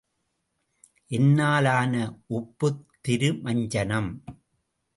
என்னால் ஆன உப்புத் திருமஞ்சனம்.